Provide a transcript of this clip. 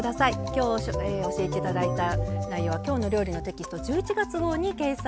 今日教えて頂いた内容は「きょうの料理」のテキスト１１月号に掲載されています。